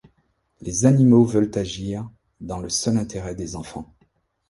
Les animaux veulent agir dans le seul intérêt des enfants.